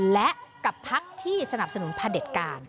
และกับพักที่สนับสนุนพระเด็จการ